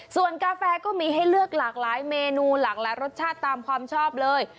ส่วนกาแฟก็มีให้เลือกหลากหลายเมนูหลากหลายรสชาติตามความชอบเลย